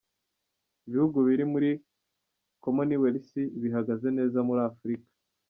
Ibihugu biri muri komoniwelisi bihagaze neza muri Afurika.